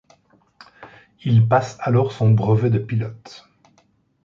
Il passe alors son brevet de pilote.